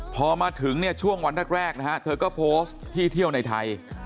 พอมาถึงเนี่ยช่วงวันแรกนะฮะเธอก็โพสต์ที่เที่ยวในไทย